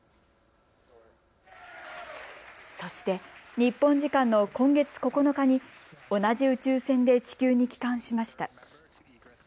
そして日本時間の今月９日に同じ宇宙船で地球に帰還しました。